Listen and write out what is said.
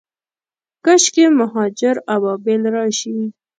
کاشکي، مهاجر ابابیل راشي